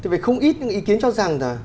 vậy không ít những ý kiến cho rằng